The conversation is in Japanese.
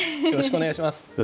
よろしくお願いします。